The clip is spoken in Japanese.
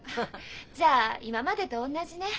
じゃあ今までとおんなじね。